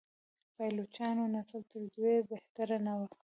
پایلوچانو نسل تر دوی بهتر نه و.